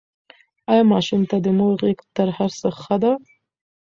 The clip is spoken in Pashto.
ایا ماشوم ته د مور غېږ تر هر څه ښه ده؟